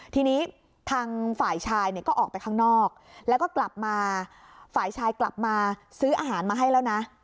ทีนี้ทางฝ่ายชายเนี่ยก็ออกไปข้างนอกแล้วก็กลับมาฝ่ายชายกลับมาซื้ออาหารมาให้แล้วนะ